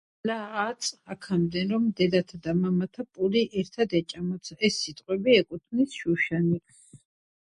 რამდენიმეჯერე კიდეც მოიპოვეს გამარჯვება ნიკეის გარნიზონზე.